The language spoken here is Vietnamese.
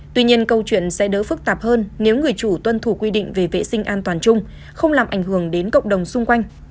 tuy nhiên câu chuyện sẽ đỡ phức tạp hơn nếu người chủ tuân thủ quy định về vệ sinh an toàn chung không làm ảnh hưởng đến cộng đồng xung quanh